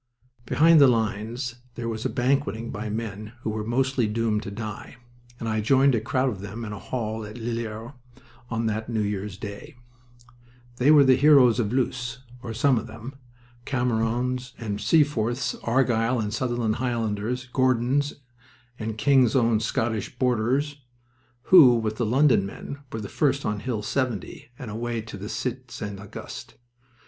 Behind the lines there was banqueting by men who were mostly doomed to die, and I joined a crowd of them in a hall at Lillers on that New Year's day. They were the heroes of Loos or some of them Camerons and Seaforths, Argyll and Sutherland Highlanders, Gordons and King's Own Scottish Borderers, who, with the London men, were first on Hill 70 and away to the Cite St. Auguste.